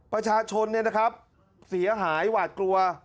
ประชาชนเสียหายหวาดกลัว